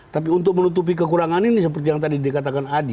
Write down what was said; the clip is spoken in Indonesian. tapi untuk menutupi kekurangan ini seperti yang tadi dikatakan adi